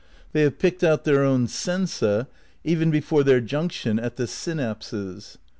^ They have picked out their sensa even before their junction at the synapses.